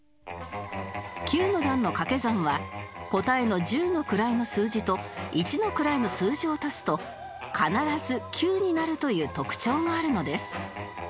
９の段の掛け算は答えの十の位の数字と一の位の数字を足すと必ず９になるという特徴があるのです